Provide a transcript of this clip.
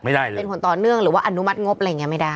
ไม่ได้เลยเป็นผลต่อเนื่องหรือว่าอนุมัติงบอะไรอย่างนี้ไม่ได้